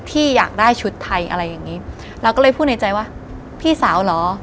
ที่อยากได้ชุดไทยอะไรอย่างงี้เราก็เลยพูดในใจว่าพี่สาวเหรอ